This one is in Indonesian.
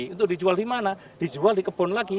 untuk dijual dimana dijual dikepun lagi